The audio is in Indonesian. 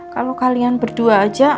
kalo kalian berdua aja